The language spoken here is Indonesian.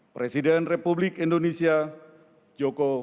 presiden republik indonesia joko widodo